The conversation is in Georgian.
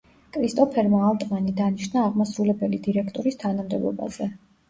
კრისტოფერმა ალტმანი დანიშნა აღმასრულებელი დირექტორის თანამდებობაზე.